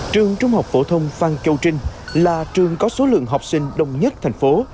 trường trung học phổ thông phan châu trinh là trường có số lượng học sinh đông nhất thành phố